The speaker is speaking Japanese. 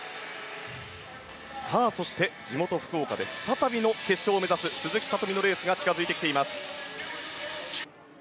そして、地元・福岡で再びの決勝を目指す鈴木聡美のレースが近付いてきています。